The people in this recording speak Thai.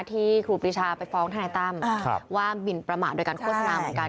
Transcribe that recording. ครูปรีชาไปฟ้องทนายตั้มว่าหมินประมาทโดยการโฆษณาเหมือนกัน